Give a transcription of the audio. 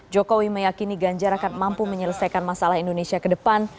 jokowi meyakini ganjar akan mampu menyelesaikan masalah indonesia ke depan